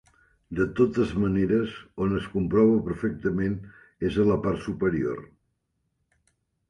De totes maneres, on es comprova perfectament és a la part superior.